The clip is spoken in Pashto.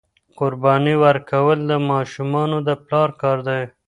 قرباني ورکول د ماشومانو د پلار کار دی.